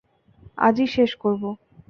আজই শেষ করব।